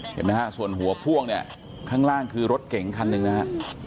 เห็นไหมฮะส่วนหัวพ่วงเนี่ยข้างล่างคือรถเก๋งคันหนึ่งนะฮะ